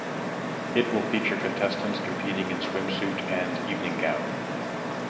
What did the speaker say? It will feature contestants competing in swimsuit and evening gown.